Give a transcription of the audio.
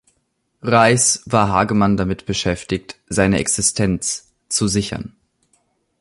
Reichs war Hagemann damit beschäftigt, seine Existenz zu sichern.